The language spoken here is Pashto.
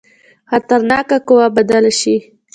خطرناکه قوه بدل شي.